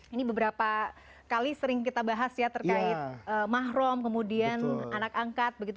ini beberapa kali sering kita bahas ya terkait mahrum kemudian anak angkat begitu